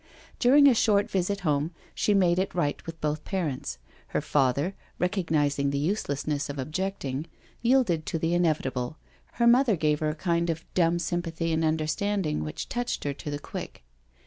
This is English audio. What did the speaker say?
During a short visit home, she made it right with both parents; her father, recognising the uselessness of objecting, yielded to the inevitable; her mother gave her a kind of dumb sympathy and understanding which touched her to the quick.